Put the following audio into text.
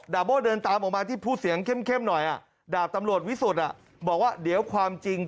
ดาบโบ้เดินตามออกมาที่พูดแบบโบ่เข้ม